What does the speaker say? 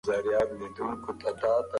علم به عدالت پیاوړی کړي.